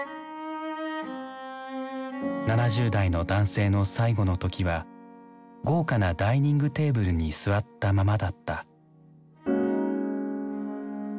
７０代の男性の最期の時は豪華なダイニングテーブルに座ったままだった。